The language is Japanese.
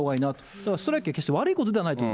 だからストライキは決して悪いことではないと思